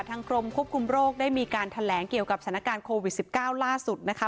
กรมควบคุมโรคได้มีการแถลงเกี่ยวกับสถานการณ์โควิด๑๙ล่าสุดนะคะ